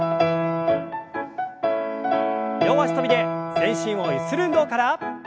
両脚跳びで全身をゆする運動から。